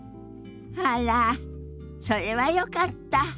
あらそれはよかった。